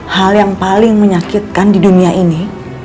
hal yang paling menyakitkan di dunia ini